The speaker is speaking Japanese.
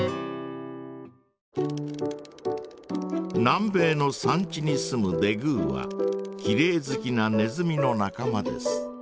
南米の山地に住むデグーはきれい好きなネズミの仲間です。